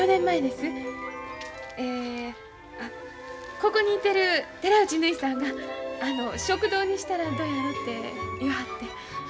ここにいてる寺内ぬひさんが食堂にしたらどやろて言わはって。